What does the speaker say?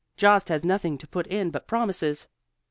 Jost has nothing to put in but promises.